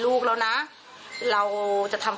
แล้วโทรศัพท์ติดต่อได้มั้ย